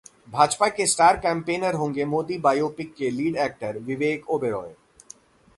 भाजपा के star campaigner होंगे Modi biopic के लीड एक्टर विवेक ओबेरॉय